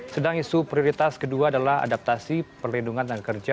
sedang isu prioritas kedua adalah adaptasi perlindungan dan kerja